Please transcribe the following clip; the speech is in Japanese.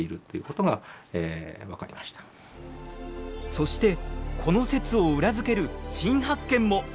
そしてこの説を裏付ける新発見も！